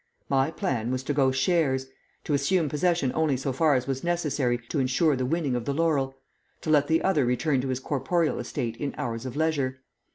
My plan was to go shares. To assume possession only so far as was necessary to insure the winning of the laurel; to let the other return to his corporeal estate in hours of leisure.